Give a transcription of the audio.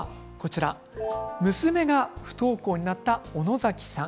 娘が不登校になった小野崎さん。